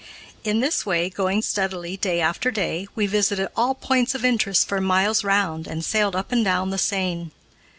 In this way, going steadily, day after day, we visited all points of interest for miles round and sailed up and down the Seine.